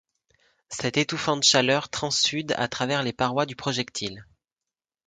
Cette étouffante chaleur transsude à travers les parois du projectile!